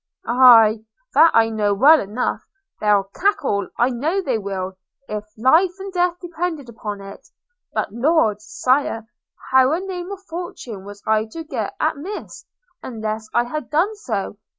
'Aye! that I know well enough; they'll cackle, I know they will, if life and death depended upon it: but, Lord! Sire, how a name of fortune was I to get at Miss, unless I had done so?